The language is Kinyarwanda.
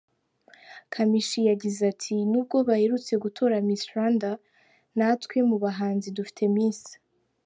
Kamichi yagize ati: “N’ubwo baherutse gutora Miss Rwanda, natwe mu bahanzi dufite Miss.